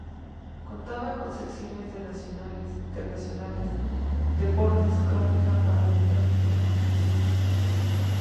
Contaba con secciones de nacionales, internacionales, deportes, crónica parlamentaria y finanzas.